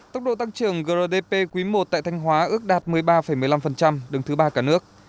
tốc độ tăng trưởng grdp quý i tại thanh hóa ước đạt một mươi ba một mươi năm đứng thứ ba cả nước